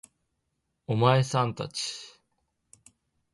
お前さん達